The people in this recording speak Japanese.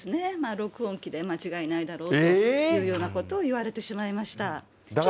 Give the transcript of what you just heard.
録音機で間違いないだろうというようなことをいわれてしまいましえー！